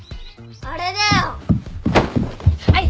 あれだよ。